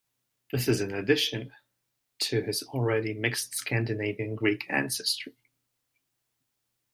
This in addition to his already mixed Scandinavian-Greek ancestry.